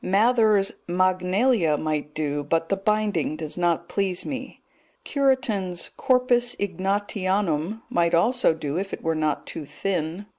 Mather's Magnalia might do, but the binding does not please me; Cureton's Corpus Ignatianum might also do if it were not too thin.